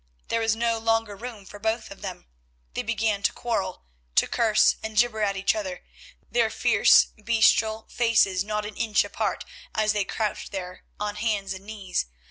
There was no longer room for both of them. They began to quarrel, to curse and jibber at each other, their fierce, bestial faces not an inch apart as they crouched there on hands and knees.